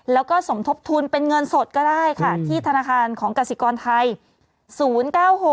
แล้วก็สมทบทุนเป็นเงินสดก็ได้ค่ะที่ธนาคารของกสิกรไทย